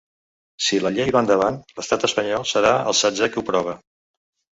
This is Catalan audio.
Si la llei va endavant, l’estat espanyol serà el setzè que ho aprova.